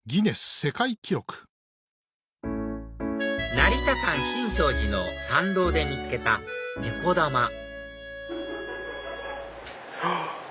成田山新勝寺の参道で見つけたねこ玉あっ！